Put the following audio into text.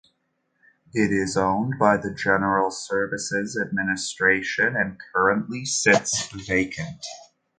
It is owned by the General Services Administration and currently sits vacant.